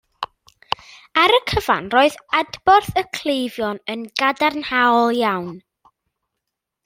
Ar y cyfan, roedd adborth y cleifion yn gadarnhaol iawn